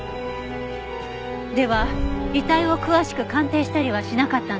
では遺体を詳しく鑑定したりはしなかったんですね。